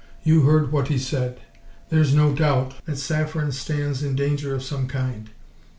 You heard what he said; there's no doubt that Saffren stands in danger of some kind.